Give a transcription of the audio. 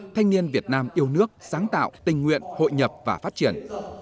thanh niên việt nam yêu nước sáng tạo tình nguyện hội nhập và phát triển